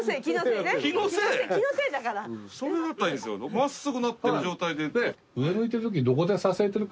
真っ直ぐなってる状態で？